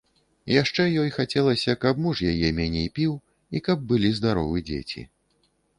Яшчэ ёй хацелася, каб муж яе меней піў і каб былі здаровы дзеці.